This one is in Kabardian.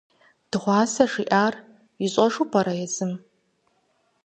Дыгъуасэ жиӀар ищӀэжу пӀэрэ езым?